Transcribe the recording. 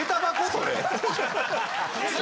それ。